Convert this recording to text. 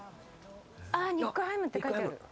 ＮＩＣハイムって書いてある。